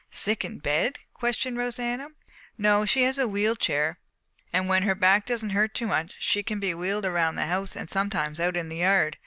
"Sick in bed?" questioned Rosanna. "No, she has a wheel chair, and when her back doesn't hurt too much, she can be wheeled around the house and sometimes out in the yard.